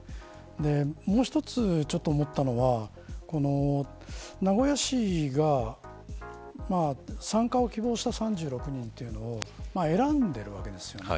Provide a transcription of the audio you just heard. もう一つ、思ったのは名古屋市が参加を希望した３６人というのを選んでいるわけですよ。